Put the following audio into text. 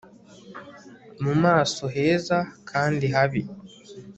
mu maso heza kandi habi